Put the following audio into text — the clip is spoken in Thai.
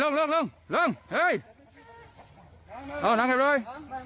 โอ้นั่งเรียบร้อย